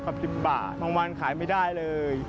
๑๐บาทบางวันขายไม่ได้เลย